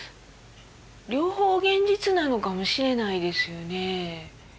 両方現実なのかもしれないですよね。